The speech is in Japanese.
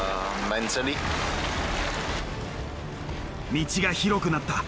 道が広くなった。